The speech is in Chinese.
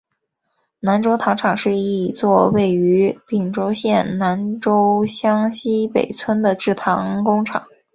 南州糖厂是一座位于屏东县南州乡溪北村的制糖工厂。